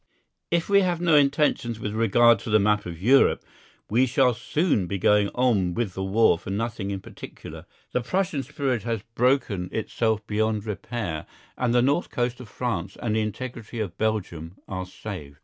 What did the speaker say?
If we have no intentions with regard to the map of Europe, we shall soon be going on with the war for nothing in particular. The Prussian spirit has broken itself beyond repair, and the north coast of France and the integrity of Belgium are saved.